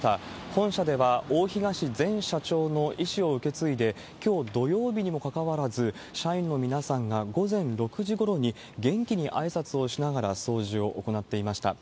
本社では、大東前社長の遺志を受け継いで、きょう土曜日にもかかわらず、社員の皆さんが午前６時ごろに元気にあいさつをしながら掃除を行っていました。